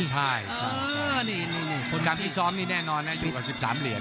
ประมดาร์กับพี่ซ้อมอยู่กว่า๑๓เหรียญ